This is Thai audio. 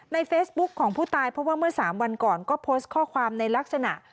เฟซบุ๊คของผู้ตายเพราะว่าเมื่อ๓วันก่อนก็โพสต์ข้อความในลักษณะ